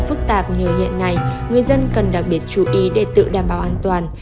phức tạp như hiện nay người dân cần đặc biệt chú ý để tự đảm bảo an toàn